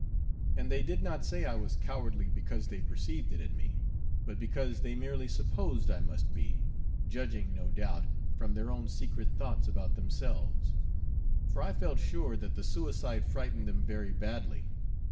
And they did not say I was cowardly, because they perceived it in me, but because they merely supposed I must be, judging, no doubt, from their own secret thoughts about themselves; for I felt sure that the suicide frightened them very badly.